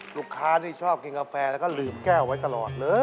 ที่ชอบกินกาแฟแล้วก็ลืมแก้วไว้ตลอดเลย